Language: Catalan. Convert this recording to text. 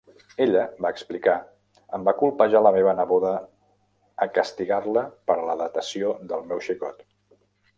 Ella va explicar, em va colpejar la meva neboda a castigar-la per a la datació del meu xicot.